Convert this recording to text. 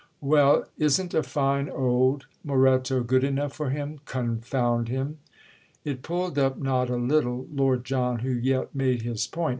"Well, isn't a fine old Moretto good enough for him; confound him?" It pulled up not a little Lord John, who yet made his point.